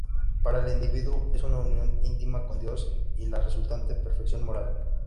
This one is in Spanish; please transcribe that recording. Para el individuo, es una unión íntima con Dios y la resultante perfección moral.